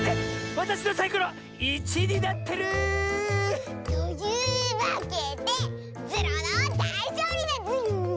わたしのサイコロ１になってる！というわけでズルオのだいしょうりだズル！